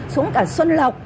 xuống cả xuân lộc